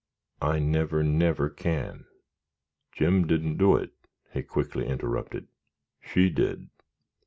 I never, never can." "Jim didn't do it," he quickly interrupted. "She did!"